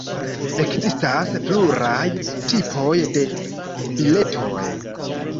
Ekzistas pluraj tipoj de biletoj.